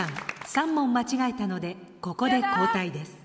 ３問間違えたのでここで交代です。